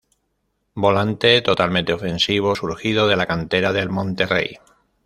Volante totalmente ofensivo surgido de la cantera del Monterrey.